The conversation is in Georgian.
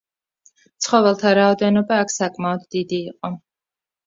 ცხოველთა რაოდენობა აქ საკმაოდ დიდი იყო.